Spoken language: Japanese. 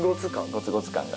ゴツゴツ感が。